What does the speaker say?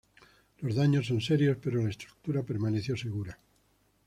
Los daños son serios pero la estructura permaneció segura.